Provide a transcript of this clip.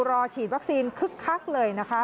รอฉีดวัคซีนคึกคักเลยนะคะ